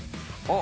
あ。